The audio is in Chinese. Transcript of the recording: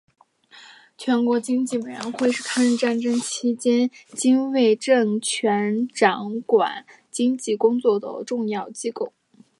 全国经济委员会是抗日战争期间汪精卫政权统掌经济工作的最高机构。